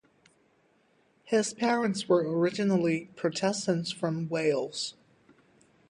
His parents were originally Protestants from Wales.